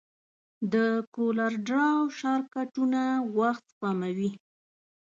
د کولر ډراو شارټکټونه وخت سپموي.